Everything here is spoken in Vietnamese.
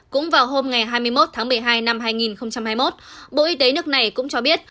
cũng vào hôm ngày hai mươi một tháng một mươi hai năm hai nghìn hai mươi một bộ y tế nước này cũng cho biết